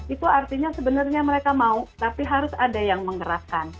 itu artinya sebenarnya mereka mau tapi harus ada yang mengerahkan